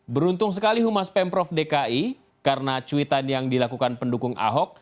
beruntung sekali humas pemprov dki karena cuitan yang dilakukan pendukung ahok